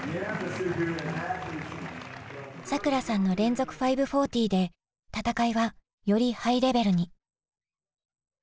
さくらさんの連続５４０で戦いはよりハイレベルに。